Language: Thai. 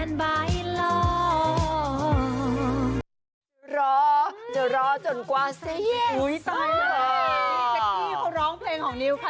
ไม่เชื่อไปฟังกันหน่อยค่ะ